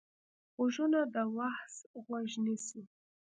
غوږونه د وعظ غوږ نیسي